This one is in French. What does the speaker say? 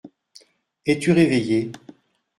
Es-tu réveillé ?